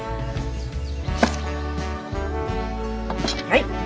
はい。